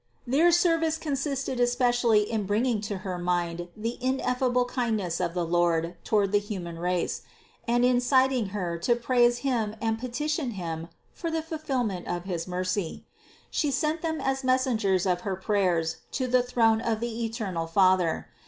Their service consisted especial ly in bringing to her mind the ineffable kindness of the Lord toward the human race, and in inciting Her to praise Him and petition Him for the fulfillment of his mercy. She sent them as messengers of her prayers to the throne of the eternal Father.